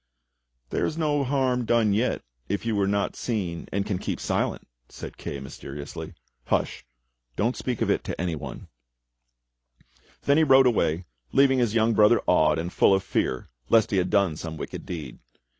*" "There is no harm done yet if you were not seen and can keep silent," said Kay mysteriously. "Hush! don't speak of it to anyone." 22 THE STORY OF KING ARTHUR Then he rode away, leaving his young brother awed and full of fear lest he had done some wicked deed.